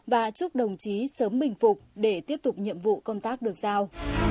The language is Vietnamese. và chúc đồng chí sớm bình phục để tiếp tục nhiệm vụ công tác được giao